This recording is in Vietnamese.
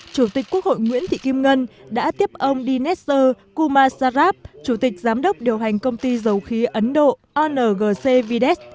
chủ tịch quốc hội nguyễn thị kim ngân đã tiếp ông dinesh kumar sarab chủ tịch giám đốc điều hành công ty dầu khí ấn độ ongc vides